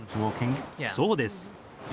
そうです。